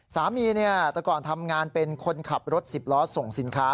สามีตะกอนทำงานเป็นคนขับรถสิบล้อสส่งสินค้า